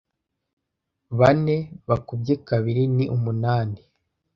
Bane bakubye kabiri ni umunani.